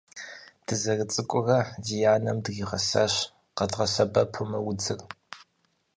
Дызэрыцӏыкӏурэ ди анэм дригъэсащ къэдгъэсэбэпу мы удзыр.